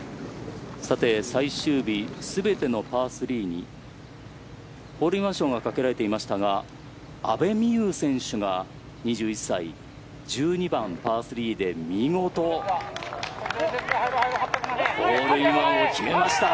最終日、全てのパー３にホールインワン賞がかけられていましたが阿部未悠選手、２１歳が１２番パー、３で見事ホールインワンを決めました。